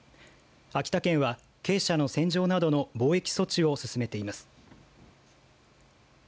秋田県は、鶏舎の洗浄などの防疫措置を進めています。